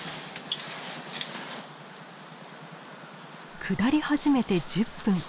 下り始めて１０分。